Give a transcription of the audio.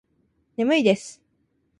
眠いです。